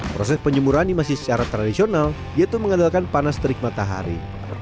proses penjemuran ini masih secara tradisional yaitu mengandalkan panas terik matahari